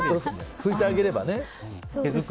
拭いてあげればね。